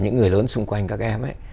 những người lớn xung quanh các em ấy